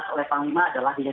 oleh pak panglima adalah